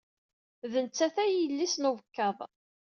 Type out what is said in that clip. D nettat ay yelli-s n ubekkaḍ.